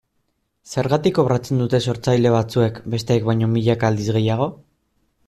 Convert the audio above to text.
Zergatik kobratzen dute sortzaile batzuek bestek baino milaka aldiz gehiago?